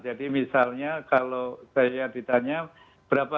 jadi misalnya kalau saya ditanya berapa